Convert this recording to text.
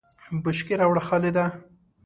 بشکی راوړه خالده !